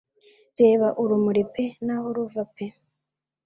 Reba urumuri pe n'aho ruva pe